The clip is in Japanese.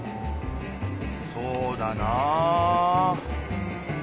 そうだな。